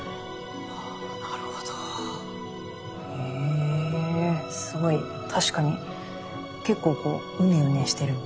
あなるほど。へすごい確かに結構こううねうねしてるって。